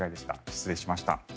失礼しました。